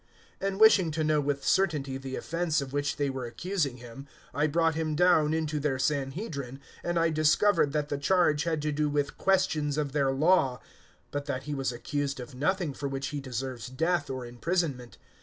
023:028 And, wishing to know with certainty the offense of which they were accusing him, I brought him down into their Sanhedrin, 023:029 and I discovered that the charge had to do with questions of their Law, but that he was accused of nothing for which he deserves death or imprisonment.